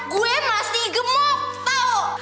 gue masih gemuk tau